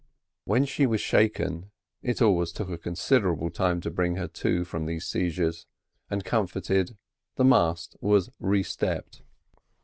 When she was shaken (it always took a considerable time to bring her to, from these seizures) and comforted, the mast was restepped.